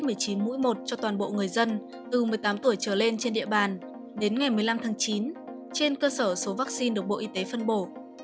tổ chức tiêm chủng vaccine phòng covid một mươi chín cho toàn bộ người dân từ một mươi tám tuổi trở lên trên địa bàn đến ngày một mươi năm tháng chín trên cơ sở số vaccine được bộ y tế phân bổ